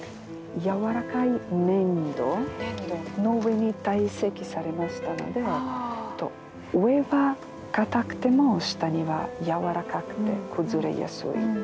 軟らかい粘土の上に堆積されましたので上は硬くても下には軟らかくて崩れやすい。